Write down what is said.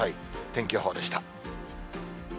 天気予報でした。